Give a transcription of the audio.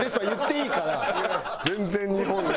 全然日本で。